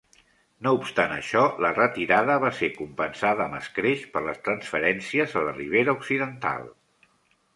No obstant això, la retirada va ser compensada amb escreix per les transferències a la Ribera Occidental.